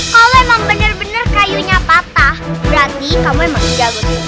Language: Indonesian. kalau emang bener bener kayunya patah berarti kamu emang gabut